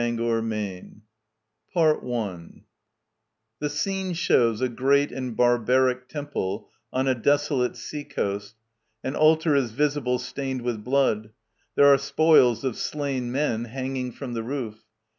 THE IPHIGENIA IN TAURIS [The Scene shows a great and barbaric Temple on a desolate sea coast. An altar is visible stained with blood. There are spoils of slain men hanging from the roof.